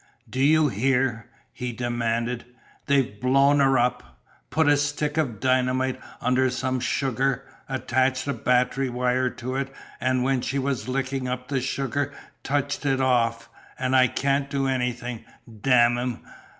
"Do you hear?" he demanded. "They've blown her up! Put a stick of dynamite under some sugar, attached a battery wire to it, an' when she was licking up the sugar touched it off. An' I can't do anything, damn 'em!